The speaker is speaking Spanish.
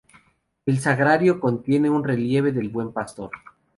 El sagrario contiene un relieve del Buen Pastor.